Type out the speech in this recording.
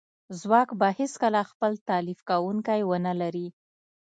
ځواک به هیڅکله خپل تالیف کونکی ونه لري